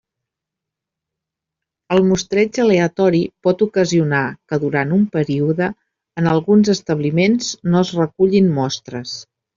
El mostreig aleatori pot ocasionar que, durant un període, en alguns establiments no es recullin mostres.